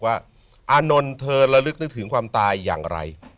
อานนท์เธอระลึกนึกถึงความตายอย่างไร